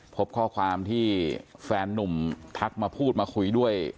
พบข้อความที่แฟนนุ่มทักมาพูดมาคุยด้วย